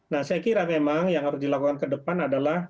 nah saya kira memang yang harus dilakukan ke depan adalah